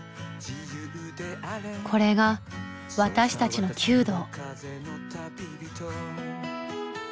これが私たちの弓道。